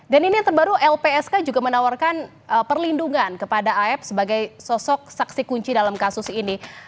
dan ini terbaru lpsk juga menawarkan perlindungan kepada af sebagai sosok saksi kunci dalam kasus ini